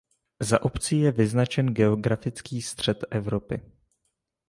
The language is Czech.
Za obcí je vyznačen geografický střed Evropy.